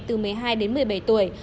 từ một mươi hai đến một mươi bảy tuổi